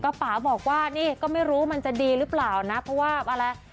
ป่าบอกว่านี่ก็ไม่รู้มันจะดีหรือเปล่านะเพราะว่าอะไร